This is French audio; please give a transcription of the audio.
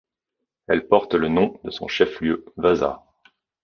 Elle porte le nom de son chef-lieu Vaasa.